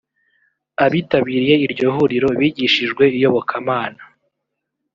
Abitabiriye iryo huriro bigishijwe iyobokamana